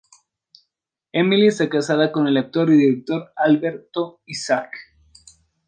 Emily está casada con el actor y director Alberto Isaac.